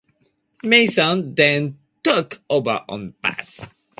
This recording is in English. Mason then took over on bass.